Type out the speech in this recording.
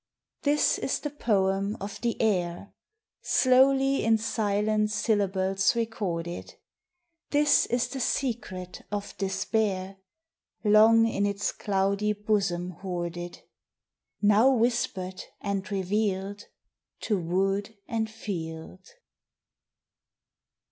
This is the poem of the air, Slowly in silent syllables recorded; This is the secret of despair, Long in its cloudy bosom hoarded, Now whispered and revealed To wood and field.